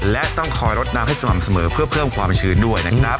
และต้องคอยรดน้ำให้สม่ำเสมอเพื่อเพิ่มความชื้นด้วยนะครับ